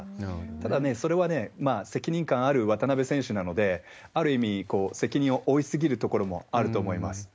ただね、それは責任感ある渡邊選手なので、ある意味、責任を負い過ぎるところもあると思います。